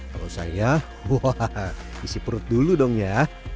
kalau saya isi perut dulu dong ya